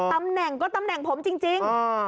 ตำแหน่งก็ตำแหน่งผมจริง